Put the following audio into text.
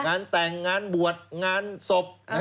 งานแต่งงานบวชงานศพ